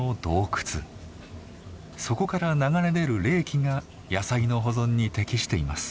そこから流れ出る冷気が野菜の保存に適しています。